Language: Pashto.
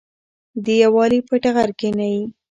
د یووالي په ټغر کېنئ.